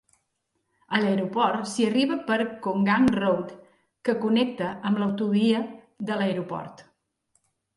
A l'aeroport s'hi arriba per Konggang Road, que connecta amb l'autovia de l'aeroport.